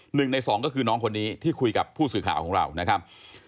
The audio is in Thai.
หนึ่งในสองก็คือน้องคนนี้ที่คุยกับผู้สื่อข่าวของเรานะครับ